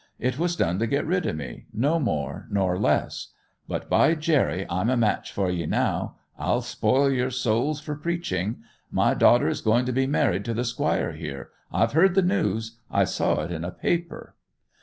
It was done to get rid of me—no more nor less. But, by Jerry, I'm a match for ye now! I'll spoil your souls for preaching. My daughter is going to be married to the squire here. I've heard the news—I saw it in a paper!